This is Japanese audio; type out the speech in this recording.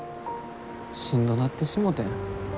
しんどなってしもてん。